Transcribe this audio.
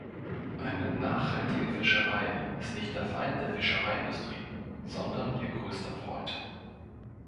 Eine nachhaltige Fischerei ist nicht der Feind der Fischereiindustrie, sondern ihr größter Freund.